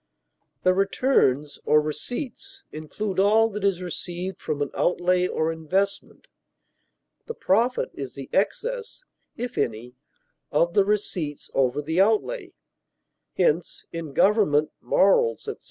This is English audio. The returns or receipts include all that is received from an outlay or investment; the profit is the excess (if any) of the receipts over the outlay; hence, in government, morals, etc.